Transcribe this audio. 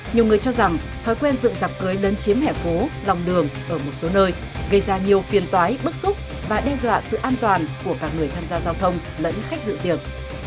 nhiều người cho rằng thói quen dựng dạp cưới lấn chiếm hẻ phố lòng đường ở một số nơi gây ra nhiều phiền toái bức xúc và đe dọa sự an toàn của cả người tham gia giao thông lẫn khách dự tiệc